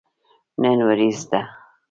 نن وريځ ده